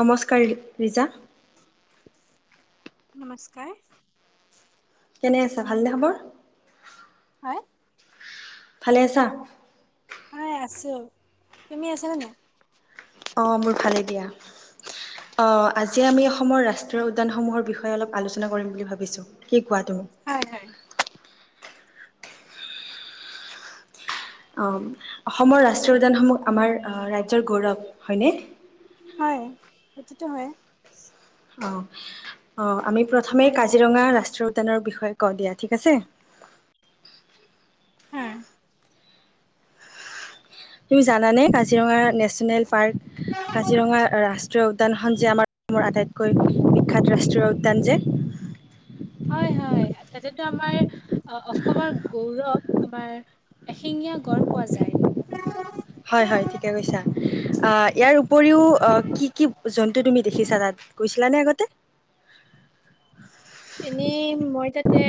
নমস্কাৰ ৰিজা। নমস্কাৰ। কেনে আছা ভালনে খবৰ। হয়। ভালে আছা। হয় আছো, তুমি আছা নে নাই। অ'মোৰ ভালে দিয়া অ' আজি আমি অসমৰ ৰাষ্ট্ৰীয় উদ্যানসমূহৰ বিষয়ে অলপ আলোচনা কৰিম বুলি ভাবিছো কি। কোৱা তুমি হয়-হয়। অ' অসমৰ ৰাষ্ট্ৰীয় উদ্যানসমূহ আমাৰ ৰাজ্যৰ গৌৰৱ হয়নে? হয় সেইটোতো হয়। অ', -অ' আমি প্ৰথমেই কাজিৰঙা ৰাষ্ট্ৰীয় উদ্যানৰ বিষয়ে কও দিয়া ঠিক আছে। হা। তুমি জানানে কাজিৰঙা নেচ নেশ্যনেল পাৰ্ক, কাজিৰঙা ৰাষ্ ষ্ট্ৰীয় উদ্যানখন যে আমাৰ অসমৰ আটাইতকৈ বিখ্যাত ৰাষ্ট্ৰীয় উদ্যান যে। তাতেটো আমাৰ অসমৰ গৌৰৱ, আমাৰ এশিঙীয়া গড় পোৱা যায়। হয়, হয় ঠিকে কৈছা অ', ইয়াৰ উপ উপৰিও অ', কি কি জন্তু তুমি দেখিছা তাত? গৈছিলা নে আগতে? এনেই মই তাত তে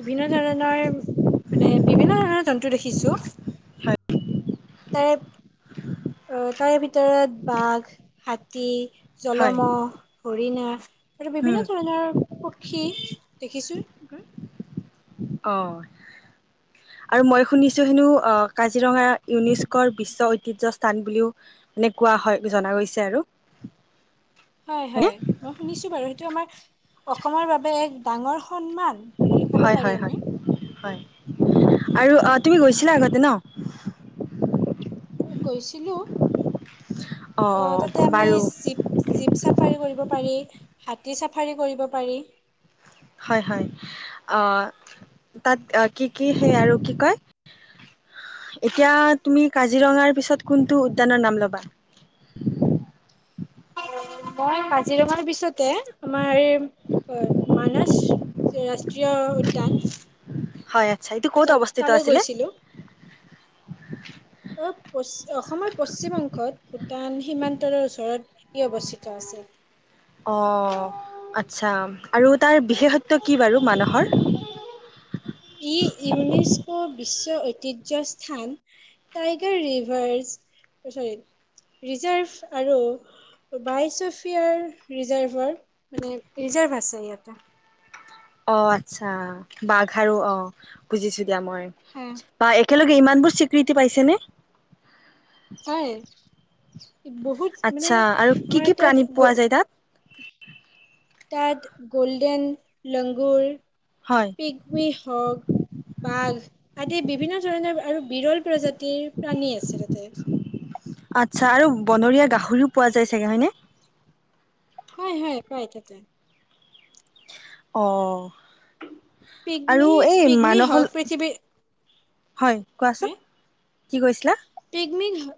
বিভিন্ন ধৰণৰ মানে বিভিন্ন ধৰণৰ জন্তু দেখিছো। হয়। তাৰে অ', তাৰে ভিতৰত বাঘ, হাতী হয় জলমঁহ, হৰিণী। আৰু উম বিভিন্ন ধৰণৰ পক্ষী দেখিছো। ক' অ', আৰু মই শুনিছো হেনো অ', কাজিৰঙা ইউনেস্কোৰ বিশ্ব ঐতিহ্য স্থান বুলিও মানে কোৱা হয় জনা গৈছে আৰু। হয়, হয়নে হয় মই শুনিছো বাৰু সেইটো আমাৰ অসমৰ বাবে এক ডাঙৰ সন্মান বুলি ক'ব হয়, পাৰি হয়, হয়, আমি হয় আৰু তুমি উম, গৈছিলা আগতে ন'। [inaudible] গৈছিলোঁ। অ', তাতে আমি বাৰু জীপ-জীপ চা পাৰি কৰিব পাৰি, হাতী চাফাৰী কৰিব পৰি। হয়, হয়, অহ তাত অহ, কি কি সেই আৰু কি কয় এতিয়া তুমি কাজিৰঙাৰ পিছত কোনটো উদ্যানৰ নাম ল'বা? অ', মই কাজিৰঙাৰ পিছতে আমাৰ মানস ৰাষ্ট্ৰীয় উদ্যান হয়, আতচ্ছা এইটো ক'ত তাত অৱস্থিত তালৈ আছিলে? গৈছিলো অ', পচ অসমৰ পশ্চিম অংশত ভূটান সীমান্তৰ ওচৰত ই অৱস্থিত আছিল। অ', আতচ্ছা আৰু তাৰ বিশেষত্ব কি বাৰু মানসৰ? বিশ্বৰ ঐতিহ্যৰ স্থান টাইগাৰ ৰিভাৰ্জ অ' চৰি ৰিজাৰ্ভ আৰু বাইচফিয়াৰ ৰিজাৰ্ভৰ মানে ৰিজাৰ্ভ আছে ইয়াতে। অ' আতচ্ছা বাঘ আৰু অ' বুজিছো। এতিয়া মই হা বা একেলগে ইমানবোৰ স্বীকৃতি পাইছেনে? হয় বহুত মানে আচ্ছা আৰু কি কি আমাৰ প্ৰাণী পোৱা তাত যায় তাত গ'ল্ডেন লংগুৰ। হয় পিকৱী হওঁক, বাঘ আদি বিভিন্ন ধৰণৰ আৰু, বিৰল প্ৰজাতিৰ প্ৰাণী আছে তাতে। আতচ্ছা আৰু বনৰীয়া গাহৰিও পোৱা যায় চাগে হয়নে হয় হয় পাই তাতে অহ পিগমি পিগমি হওঁক পৃথিৱী হয় কোৱাচোন কি কৈছিলা পিগমি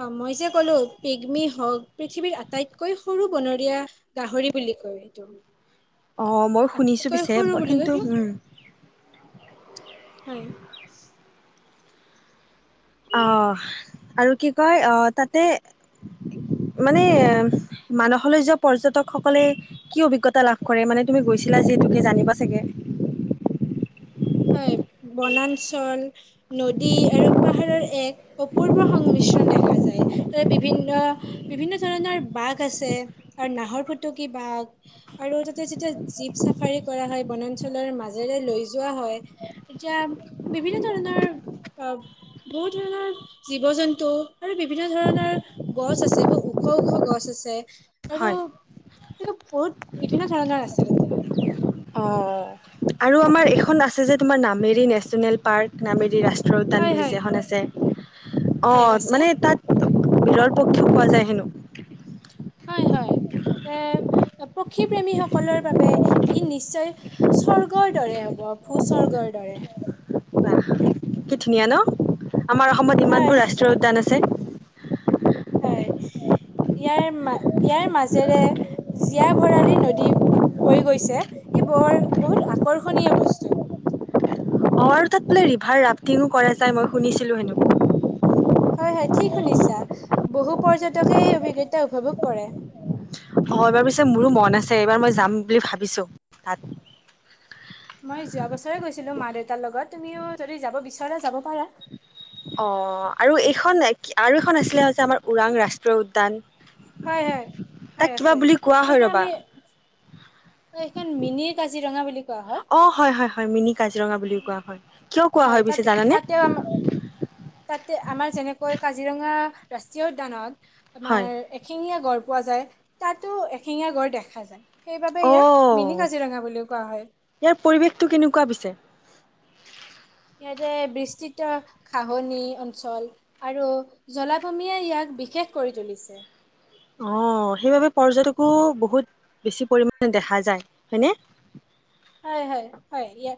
অ মই যে কলো পিগমি হক পৃথিৱীৰ আটাইতকৈ সৰু বনৰীয়া গাহৰি বুলি কয় এইটো। অ মই শুনিছো আটাইতকৈ পিছে সৰু বুলি কয় কিন্তু এইটো উম হয় আহ আৰু কি কয় আহ তাতে মানে মানসলৈ যোৱা পৰ্যাটকসকলে কি অভিজ্ঞতা লাভ কৰে মানে তুমি গৈছিলা যিহেতুকে জানিবা চাগে। হয় বনাঞ্চল নদী আৰু পাহাৰৰ এক অপূৰ্ব সংমিশ্ৰণ দেখা যায় তাতে বিভিন্ন বিভিন্ন ধৰণৰ বাঘ আছে আৰু নাহৰ ফুটুকী বাঘ আৰু তাতে যেতিয়া জীপ চাফাৰী কৰা হয় বনাঞ্চলৰ মাজেৰে লৈ যোৱা হয়। এতিয়া বিভিন্ন ধৰণৰ অ বহুত ধৰণৰ জীৱ জন্তু আৰু বিভিন্ন ধৰণৰ গছ আছে বহুত ওখ ওখ গছ আছে। আৰু হয় বহুত বিভিন্ন ধৰণৰ আছে তাতে। অ আৰু আমাৰ এইখন আছে যে তোমাৰ নামেৰি নেচনেল পাৰৰ্ক নামেদি ৰাষ্ট্ৰীয় উদ্যান হয় বুলি হয় যে এখন আছে। অ হয় আছে মানে তাত বিৰল পক্ষীয়ো পোৱা যায় হেনো হয় হয় এ পক্ষীপ্ৰেমীসকলৰ বাবে ই নিশ্চয় স্বৰ্গৰ দৰে হ'ব ভূ স্বৰ্গৰ দৰে বাহ কি ধুনীয়া ন আমাৰ অসমত হয় ইমানবোৰ ৰাষ্ট্ৰীয় উদ্যান আছে হয় ইয়াৰ ম ইয়াৰ মাজেৰে জীয়া ভৰালি নদী হৈ গৈছে ই বৰ বহুত আকৰ্ষণীয় বস্তু অঁ তাতো ৰিভাৰ ৰাফটিঙো কৰা যায় মই শুনিছিলোঁ হেনো হয় হয় ঠিক শুনিছা বহু পৰ্যটকে এই অভিজ্ঞতা উপভোগ কৰে অ এইবাৰ পিছে মোৰো মন আছে এইবাৰ মই যাম বুলি ভাবিছো তাত মই যোৱা বছৰে গৈছিলো মা দেউতাৰ লগত তুমিও যদি যাব বিচৰা যাব পাৰা অ আৰু এইখন আৰু এইখন আছিলে যে আমাৰ ওৰাং ৰাষ্ট্ৰীয় উদ্যান হয় হয় হয় তাক কিবা আছে বুলি কোৱা হয় সেইখ ৰবা আমি ত এইখন মিনি কাজিৰঙা বুলি ক অ হয় হয় হয় মিনি কাজিৰঙা বুলিও কোৱা হয় কিয় কোৱা হয় তাত পিছে জানানে তাতেও আম তাতে আমাৰ যেনেকৈ কাজিৰঙা ৰাষ্ট্ৰীয় উদ্যানত হয় তোমাৰ এখিঙীয়া গ়ড় পোৱা যায় তাতো এশেঙীয়া গড় দেখা যায় সেইবাবে অ ইয়াক মিনি কাজিৰঙা বুলিও কোৱা হয় ইয়াৰ পৰিৱেশটো কেনেকুৱা পিছে ইয়াতে বিস্তৃত খাহনি অঞ্চল আৰু জলাভূমিয়ে ইয়াক বিশেষ কৰি তুলিছে অ সেইবাবে পৰ্যটকো বহুত বেছি পৰিমাণে দেখা যায় হয়নে? হয় হয় হয় ইয়ে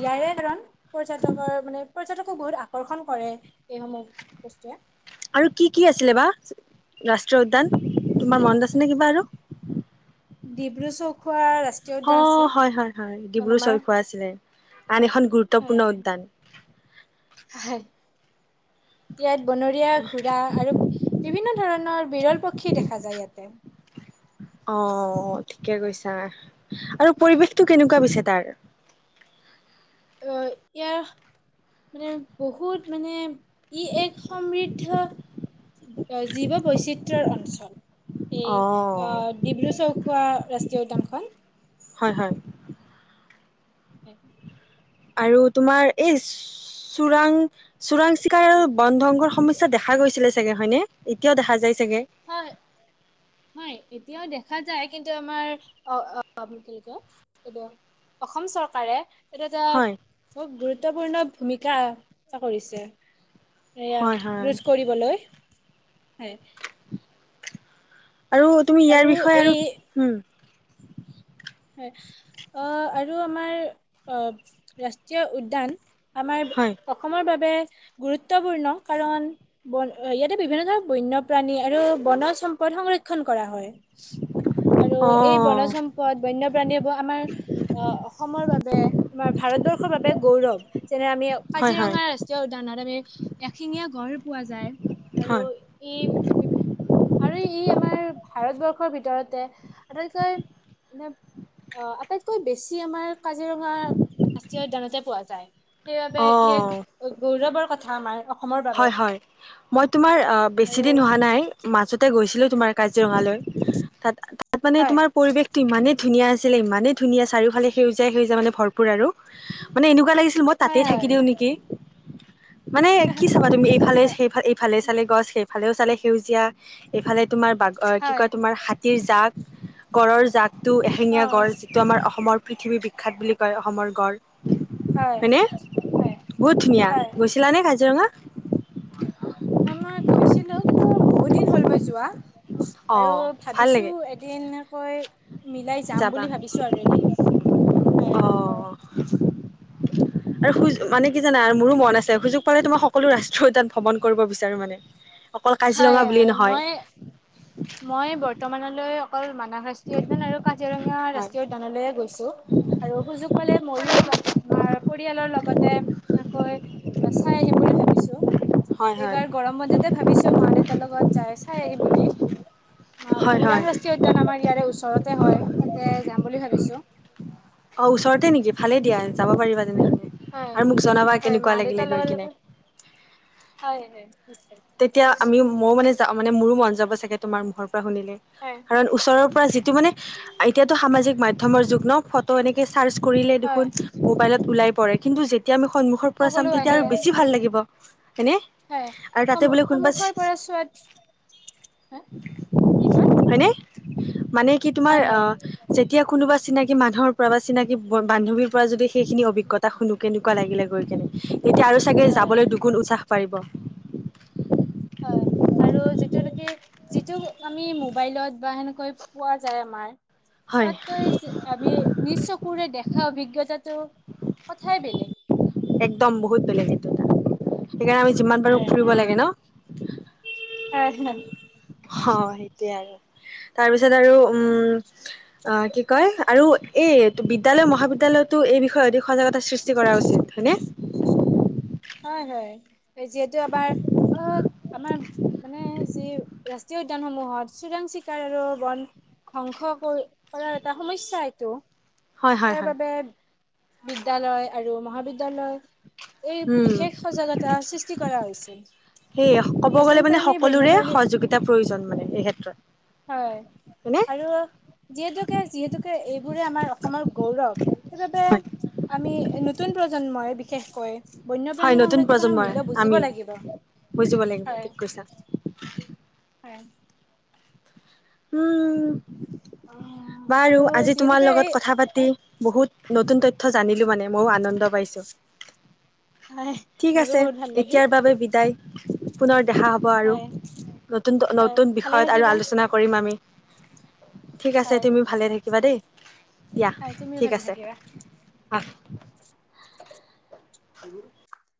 ইয়াৰে কাৰণ পৰ্যটকৰ মানে পৰ্যটকো বহুত আকৰ্ষণ কৰে। এইসমূহ বস্তুৱে আৰু কি কি আছিলে বা? ৰাষ্ট্ৰীয় উদ্যান তোমাৰ মন আছে নে কিবা আৰু ডিব্ৰু চৌখোৱাৰ অ হয় হয় হয় ডিব্ৰু চৈখোৱা আছিলে আন এখন হয় গুৰুত্বপূৰ্ণ হয় উদ্যান হয় ইয়াত বনৰীয়া ঘোৰা আৰু বিভিন্ন ধৰণৰ বিৰল পক্ষী দেখা যায় ইয়াতে অ ঠিকে কৈছা আৰু পৰিৱেশটো কেনেকুৱা পিছে তাৰ অহ ইয়াৰ মানে বহুত মানে ই এক সমৃদ্ধ অ জীৱ বৈচিত তৰ অঞ্চল এই অ ডিব্ৰু চৌক খোৱা ৰাষ্ট্ৰীয় উদ্যানখন হয় হয় [unintelligible] আৰু তোমাৰ এই চোৰাং চোৰাং চিকাৰ আৰু বন ধ্বংসৰ সমস্যা দেখা গৈছিলে চাগে হয়নে এতিয়াও দেখা যাই চাগে হয় হয় এতিয়াও দেখা যায় কিন্তু আমাৰ অ কি কয় এইটো অসম চৰকাৰে এটো এটা হয় খোব গুৰুত্ গুৰুত্বপূৰ্ণ ভূমিকা আহ কৰিছে। হয় ইয়াক হয় ৰোজ কৰিবলৈ। হয়। আৰু তুমি ইয়াৰ বিষয়ে আৰু হ'ম হয়, অ' আৰু আমাৰ অ' ৰাষ্ট্ৰীয় উদ্যান আমাৰ হয় অসমৰ বাবে গুৰুত্বপূৰ্ণ, কাৰণ বন ইয়াতে বিভিন্ন ধৰণৰ বন্যপ্ৰাণী আৰু বনজ সম্পদ সংৰক্ষণ কৰা হয়। আৰু অ এই বনজ সম্পদ বন্যপ্ৰাণীয়ে ব আমাৰ অ' অসমৰ বাবে তে আমাৰ ভাৰতবৰ্ষৰ বাবে গৌৰৱ। যেনে আমিও হয় হয় কাজিৰঙা ৰাষ্ট্ৰীয় উদ্যানত আমি এশিঙীয়া গঁড় পোৱা যায়। আৰু হয় ই আৰু ই আমাৰ ভাৰতবৰ্ষৰ ভিতৰতে আটাইতকৈ মানে, অ' আটাইতকৈ বেছি আমাৰ কাজিৰঙা ৰাষ্ট্ৰীয় উদ্যানতে পোৱা যায়। সেইবাবে অ ই এক গৌৰৱৰ। কথা আমাৰ অ হয়, হয়। মই তোমাৰ অ বেছি আৰু দিন হোৱা নাই মাজতে গৈছি ছিলোঁ তোমাৰ কাজিৰঙালৈ। তাত তাত মানে হয় তোমাৰ পৰিৱেশটো ইমানেই ধুনীয়া আছিলে ইমানেই ধুনীয়া চাৰিওফালে সেউজীয়াই সেউজীয়া মানে ভৰপুৰ আৰু। মানে এনেকুৱা লাগিছিল মই হয় তাতেই থাকি দিওঁ হয় নেকি? মানে কি চাবা তুমি? এইফালে সেই ফাল এই ফালে চালে গছ সেই ফালেও চালে সেউজীয়া এইফালে তোমাৰ বাঘৰ কি হয় কয় তোমাৰ হাতীৰ জাগ গঁড়ৰ জাক টো অ এশেঙীয়া গঁড় যিটো আমাৰ অসমৰ পৃথৱীৰ বি বিখ্যাত বুলি কয় অসমৰ গঁড়। হয় হয়নে? হয় বহুত ধুনীয়া, হয় গৈছিলা নে কাজিৰঙা? হয়। মই গৈছিলোঁ, কিন্তু বহুত দিন হ'ল মই যোৱা। অ আৰু ভাল ভাবিছোঁ লাগে এদিনা কৈ, মিলাই যাম যাবা বুলি ভাবিছোঁ আৰু এদিন। অ হয় আৰু সুয মানে কি জানা আৰু মোৰো মন আছে, সুযোগ পালে তোমাক সকলো ৰাস থ তাত ভ্ৰমণ কৰিব বিচাৰোঁ মানে। অকল হয় কাজিৰঙা বুলিয়ে হয় নহয়। মই মই বৰ্তমানলৈ অকল মানস ৰাষ্ট্ৰীয় উদ্যান আৰু কাজিৰঙা হয় ৰাষ্ট্ৰীয় উদ্যানলৈয়ে গৈছোঁ আৰু সুযোগ পালে মইও মাৰ পৰিয়ালৰ লগতে এনেকৈ চাই আহিম বুলি ভাবিছোঁ। হয় হয় এইবাৰ গৰম বন্ধতে ভাবিছ একে লগত যাই চাই আহি বুলি। আ হয় ওৰাং হয় ৰাষ্ট্ৰীয় উদ্যান আমাৰ ইয়াৰে ওচৰত। তাতে হয়, তাতে যাম বুলি ভাবিছোঁ। অ', ওচৰতে নেকি ভালে দিয়া যাব পাৰিবা যেনে। হয় আৰু মোক জনাবা হয় কেনেকুৱা মা লাগিলে দেউতাৰ গৈ লগত কিনে। উ তেতিয়া আমি মই মানে যা মানে মোৰো মন যাব চাগে তোমাৰ মৰ বা শুনিলে, হয় কাৰণ ওচৰৰ যিটো মানে, এতিয়াতো সামাজিক মাধ্যমৰ যুগ ন' ফটো এনেকে চাৰ্চ কৰিলে হয় দুখোন মোবাইলত ওলাই পৰে, কিন্তু যেতিয়া আমি সন্মুখৰ পৰা সকলো চাম তেতিয়া আহে আৰু বেছি ভাল লাগিব। এনে হয়, সম-সন্মূখৰ পৰা চোৱাত, হা, কি কয়? [inaudible] মানে কি তোমাৰ, হয় হয় আহ যে এতিয়া কোনোবা চিনাকি মানুহৰ পৰা বা চিনাকি বান্ধৱীৰ পৰা যদি সেইখিনি অভিজ্ঞতা শুনো কেনেকুৱা লাগিলে গৈ কেনে এতিয়া আৰু চাগে হয় যাবলৈ দুগুণ উচ্ছাস পাৰিব। হয়, আৰু যিটো নেকি, যিটো আমি মোবাইলত বা সেনেকৈ পোৱা যায় আমাৰ। হয় তাত গৈজ আমি নিজ চকুৰে দেখা অভিজ্ঞ [unintelligible] একদম বহুত বেলেগ। এইটো এটা সেইকাৰণে আমি যিমান পাৰো হয় ফুৰিব লাগে ন'। [unintelligible] অ' সেইটোৱে আৰু। তাৰপিছত আৰু উম কি কয় আৰু এই বিদ্যালয় মহাবিদ্যালয়তো এই বিষয়ে অধিক সজাগতা সৃষ্টি কৰা উচিত হয়নে? হয়, হয়। যিহেতু এবাৰ অ' আমাৰ মানে যি ৰাষ্ট্ৰীয় উদ্যানসমূহত চোৰাং চিকাৰ আৰু বন ধ্বংস কৰি কৰাৰ এটা সমস্যা এইটো হয় হয় তাৰ হয় বাবে। বিদ্যালয় আৰু মহাবিদ্যালয়। এই উম বিশেষ সজাগতা সৃষ্টি কৰা হৈছিল সেয়ে কব গলে নতুন মানে প্ৰাণী সকলোৰে বন্যপ্ৰাণী সহযোগিতাৰ প্ৰয়োজন মানে এই ক্ষেত্ৰত। হয় হয়নে আৰু যিহেতুকে যিহেতুকে এইবোৰে আমাৰ অসমৰ গৌৰৱ, সেইবাবে হয় আমি নতুন প্ৰজন্ম মই বিশেষকৈ হয় বন্যপ্ৰাণী নতুন সংৰক্ষণৰ মূল্য প্ৰজন্মৰে বুজিব আমি লাগিব। বুজিব লাগিব হয় ঠিক কৈছা। হয় উম। অ' বাৰু আৰু আজি তোমাৰ যিহেতুকে লগত এই কথা পাতি বহুত নতুন তথ জানিলো মানে ময়ো আনন্দ পাইছোঁ হয় ঠিক মোৰো আছে বহুত ভাল লাগিল এতিয়াৰ বাবে বিদায়, পুনৰ দেখা হ'ব আৰু হয় নতুন হয় নতুন ভালে বিষয়ত আৰু থাকিবা আলোচনা কৰিম আমি। ঠিক আছে। হয় তুমি ভালে থাকিবা দেই। দিয়া হয় তুমিও ঠিক ভালে আছে থাকিবা। আহ। [inaudible]